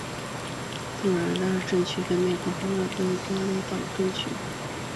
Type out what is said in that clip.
托旺达镇区为位在美国堪萨斯州巴特勒县的镇区。